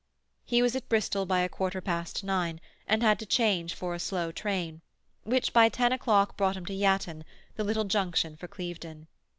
He was at Bristol by a quarter past nine, and had to change for a slow train, which by ten o'clock brought him to Yatton, the little junction for Clevedon.